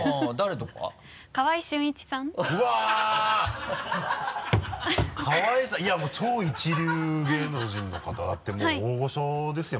川合さんいやもう超一流芸能人の方でもう大御所ですよ